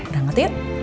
udah angkat yuk